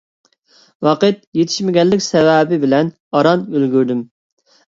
ۋاقىت يېتىشمىگەنلىك سەۋەبى بىلەن ئاران ئۈلگۈردۈم.